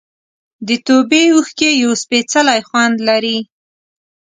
د توبې اوښکې یو سپېڅلی خوند لري.